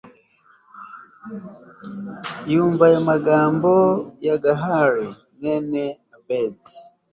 yumva ayo magambo ya gahali mwene ebedi